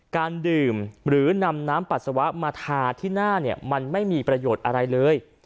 การดื่มหรือนำน้ำปัสสาวะมาทาที่หน้าเนี่ยมันไม่มีประโยชน์อะไรเลย